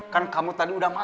kan kamu tadi udah makan